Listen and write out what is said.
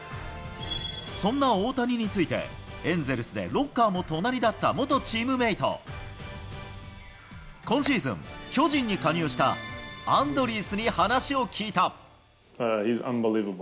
そんな大谷について、エンゼルスでロッカーも隣だった元チームメート、今シーズン、巨人に加入したアンドリースに話を聞いた。